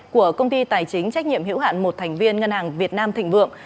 của công ty tài chính trách nhiệm hữu hạn một thành viên ngân hàng việt nam thịnh vượng